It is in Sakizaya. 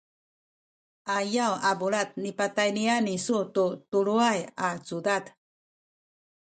ayaw a bulad nipatayniyan isu tu tuluway cudad